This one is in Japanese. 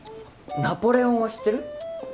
ナポレオンは知ってる？